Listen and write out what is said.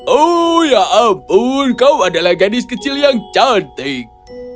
oh ya ampun kau adalah gadis kecil yang cantik